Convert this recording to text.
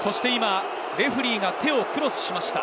レフェリーが手をクロスしました。